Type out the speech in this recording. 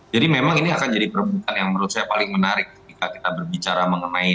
jadi memang ini akan jadi perebutan yang menurut saya paling menarik ketika kita berbicara mengenai